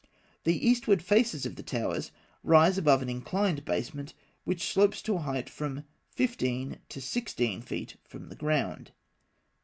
The eastward faces of the towers rise above an inclined basement, which slopes to a height of from fifteen to sixteen feet from the ground.